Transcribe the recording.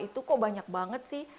itu kok banyak banget sih